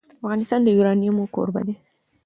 افغانستان د یورانیم کوربه دی.